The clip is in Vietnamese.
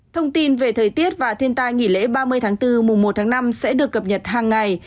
thông tin về thời tiết và thiên tai nghỉ lễ ba mươi tháng bốn mùa một tháng năm sẽ được cập nhật hàng ngày